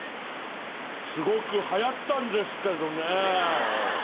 すごくはやったんですけどね。